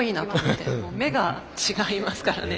もう目が違いますからね。